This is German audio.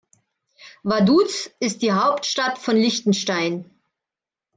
Vaduz ist die Hauptstadt von Liechtenstein.